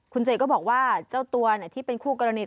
คุณเสกก็บอกว่าเจ้าตัวที่เป็นคู่กรณี